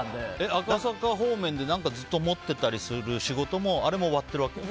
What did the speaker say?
赤坂方面でずっと持ってたりする仕事もあれも割ってるわけ？